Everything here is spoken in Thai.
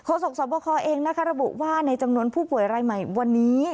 ขอส่งสอบประคอเองระบุว่าในจำนวนผู้ป่วยรายใหม่วันนี้